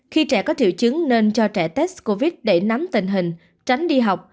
khi trẻ có triệu chứng nên cho trẻ test covid để nắm tình hình tránh đi học